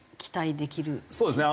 そうですね。